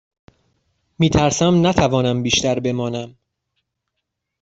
می ترسم نتوانم بیشتر بمانم.